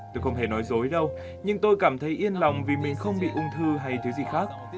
tôi không hề nói dối đâu nhưng tôi cảm thấy yên lòng vì mình không bị ung thư hay thứ gì khác